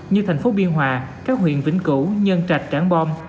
như thành phố biên hòa các huyện vĩnh cửu nhân trạch trảng bom